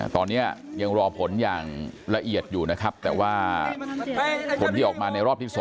ตอนนี้ยังรอผลอย่างละเอียดอยู่นะครับแต่ว่าผลที่ออกมาในรอบที่๒